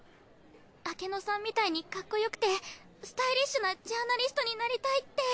アケノさんみたいにかっこよくてスタイリッシュなジャーナリストになりたいって。